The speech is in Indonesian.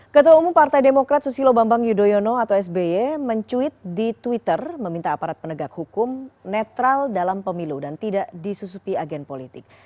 ketua umum partai demokrat susilo bambang yudhoyono atau sby mencuit di twitter meminta aparat penegak hukum netral dalam pemilu dan tidak disusupi agen politik